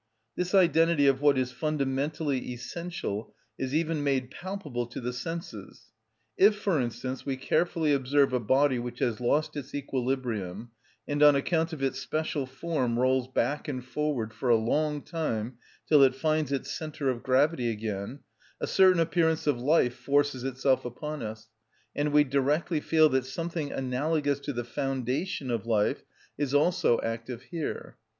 This identity of what is fundamentally essential is even made palpable to the senses. If, for instance, we carefully observe a body which has lost its equilibrium, and on account of its special form rolls back and forward for a long time till it finds its centre of gravity again, a certain appearance of life forces itself upon us, and we directly feel that something analogous to the foundation of life is also active here.